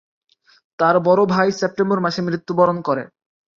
তার বড় ভাই সেপ্টেম্বর মাসে মৃত্যুবরণ করে।